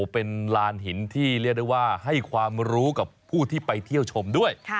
เป็นลานหินที่เรียกได้ว่าให้ความรู้กับผู้ที่ไปเที่ยวชมด้วย